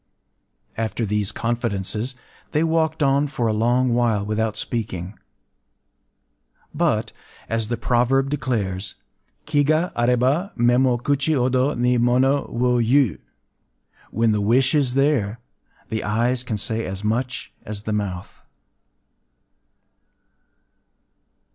After these confidences, they walked on for a long while without speaking; but, as the proverb declares, Ki ga aréba, mé mo kuchi hodo ni mono wo iu: “When the wish is there, the eyes can say as much as the mouth.